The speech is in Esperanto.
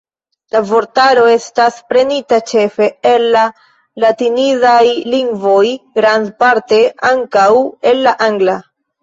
La vortaro estas prenita ĉefe el la latinidaj lingvoj, grandparte ankaŭ el la angla.